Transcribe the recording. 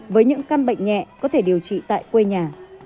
với những căn bệnh nhẹ có thể điều trị tại quê nhà